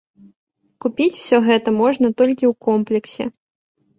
Купіць усё гэта можна толькі ў комплексе.